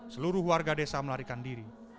seluruh warga desa melarikan diri